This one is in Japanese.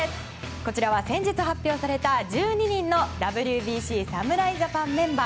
こちらは先日発表された１２人のＷＢＣ侍ジャパンメンバー。